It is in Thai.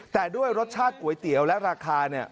แต่ด้วยรสชาติก๋วยเตี๋ยวและราคาเนี่ย